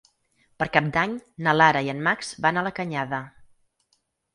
Per Cap d'Any na Lara i en Max van a la Canyada.